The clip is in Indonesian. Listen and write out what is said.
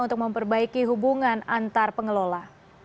untuk memperbaiki hubungan antar pengelola